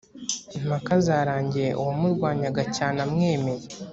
impaka zarangiye uwamurwanyaga cyane amwemeye